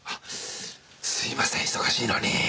すみません忙しいのに。